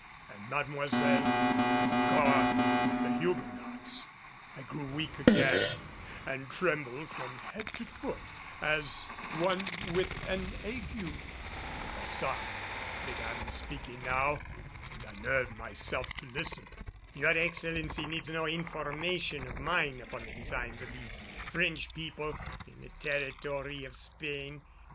And Mademoiselle had gone with the Huguenots! I grew weak again and trembled from head to foot as one with an ague. De Baçan began speaking now and I nerved myself to listen. "Your Excellency needs no information of mine upon the designs of these French people in the territory of Spain.